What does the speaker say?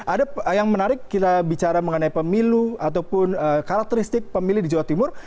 ada yang menarik kita bicara mengenai pemilu ataupun karakteristik pemilih di jawa timur